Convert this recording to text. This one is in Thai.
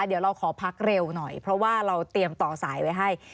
เดี๋ยวเราขอพักเร็วหน่อยเพราะว่าเราเตรียมต่อสายไว้ให้